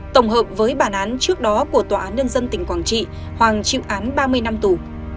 tổng hợp với bản án trước đó của tòa án nhân dân tỉnh quảng trị hoàng chịu án ba mươi năm tù